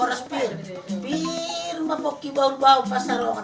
rifat agar kembali kita bertemu